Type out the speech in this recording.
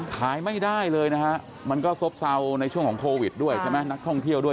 ขายไม่ได้เลยนะฮะมันก็ซบเศร้าในช่วงของโควิดด้วยใช่ไหมนักท่องเที่ยวด้วย